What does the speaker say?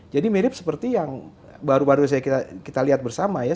jadi mirip seperti yang baru baru saya kita lihat bersama ya